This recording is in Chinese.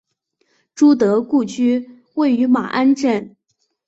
朱德故居位于马鞍镇。